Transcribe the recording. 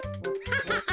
ハハハ！